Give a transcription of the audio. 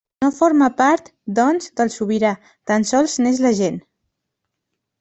No forma part, doncs, del sobirà; tan sols n'és l'agent.